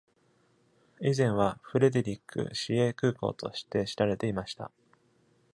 以前はフレデリック市営空港として知られていました。